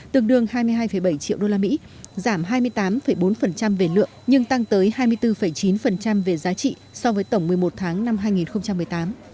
tương đương hai mươi hai bảy triệu usd giảm hai mươi tám bốn về lượng nhưng tăng tới hai mươi bốn chín về giá trị so với tổng một mươi một tháng năm hai nghìn một mươi tám